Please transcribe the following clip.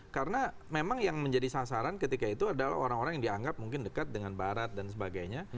karena memang yang menjadi sasaran ketika itu adalah orang orang yang dianggap mungkin dekat dengan barat dan sebagainya